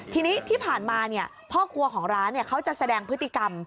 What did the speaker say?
ทีนี้ที่ผ่านมาพ่อครัวของร้านเขาจะแสดงพฤติกรรม